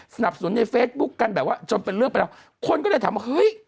สนับสนุนในเฟซบุ๊คกันแบบว่าจนเป็นเรื่องไปแล้วคนก็เลยถามว่าเฮ้ย